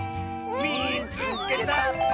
「みいつけた！」。